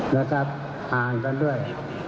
แล้วก็ห่างกันด้วย